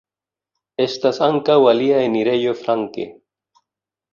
Estas ankaŭ alia enirejo flanke.